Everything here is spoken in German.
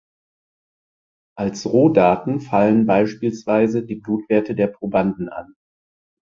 Als Rohdaten fallen beispielsweise die Blutwerte der Probanden an.